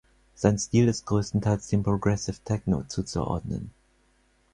Sein Stil ist größtenteils dem Progressive Techno zuzuordnen.